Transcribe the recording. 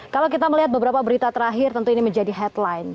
kalau kita melihat beberapa berita terakhir tentu ini menjadi headline